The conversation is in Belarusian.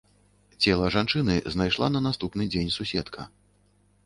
Цела жанчыны знайшла на наступны дзень суседка.